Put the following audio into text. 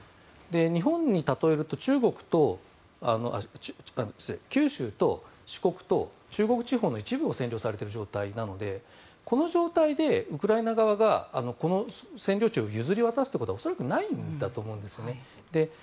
日本に例えると九州と四国と中国地方の一部を占領されている状態なのでこの状態でウクライナ側がこの占領地を譲り渡すということは恐らくないんだと思うんですよね。